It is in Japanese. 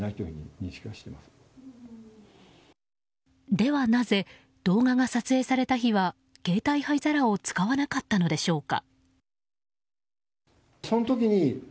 ではなぜ動画が撮影された日は携帯灰皿を使わなかったのでしょうか。